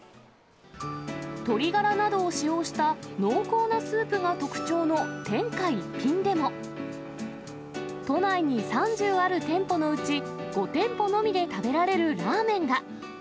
鶏ガラなどを使用した濃厚なスープが特徴の天下一品でも、都内に３０ある店舗のうち、５店舗のみで食べられるラーメンが。